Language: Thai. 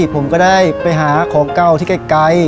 ผมก็ได้ไปหาของเก่าที่ไกล